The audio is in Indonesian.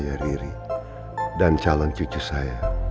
saya riri dan calon cucu saya